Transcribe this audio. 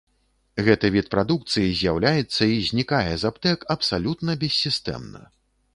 Гэты від прадукцыі з'яўляецца і знікае з аптэк абсалютна бессістэмна.